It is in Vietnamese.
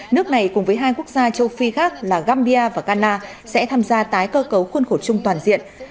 nước này cùng với hai quốc gia châu phi khác là gambia và ghana sẽ tham gia tái cơ cấu khuôn khổ chung toàn diện